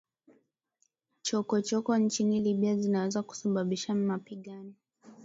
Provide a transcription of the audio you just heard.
Chokochoko nchini Libya zinaweza kusababisha mapigano